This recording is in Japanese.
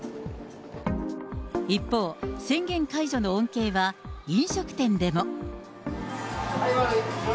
一方、宣言解除の恩恵は飲食店でも。